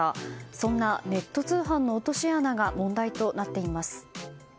そんなネット通販の落とし穴が問題となっています。